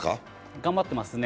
頑張ってますね。